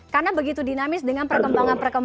karena begitu dinamis dengan perkembangan pandemi